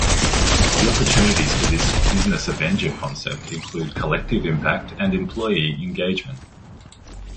The opportunities for this "business avenger" concept include collective impact and employee engagement.